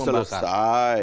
itu kan sudah selesai